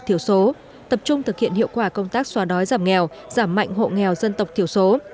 thiểu số tập trung thực hiện hiệu quả công tác xóa đói giảm nghèo giảm mạnh hộ nghèo dân tộc thiểu số